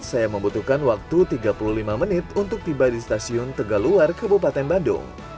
saya membutuhkan waktu tiga puluh lima menit untuk tiba di stasiun tegaluar kabupaten bandung